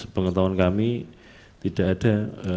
pengetahuan kami tidak ada